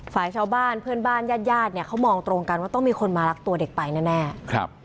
ฝ่ายชาวบ้านเพื่อนบ้านญาติญาติเนี่ยเขามองตรงกันว่าต้องมีคนมารักตัวเด็กไปแน่แน่ครับ